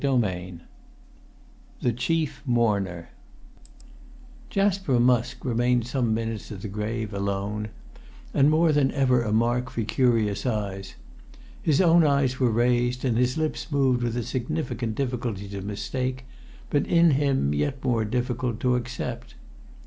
[Pg 11] II THE CHIEF MOURNER Jasper Musk remained some minutes at the grave, alone, and more than ever a mark for curious eyes; his own were raised, and his lips moved with a significance difficult to mistake, but in him yet more difficult to accept.